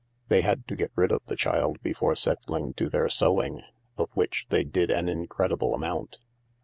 They had to get rid of the child before settling to their sewing, of which they did an incredible amount.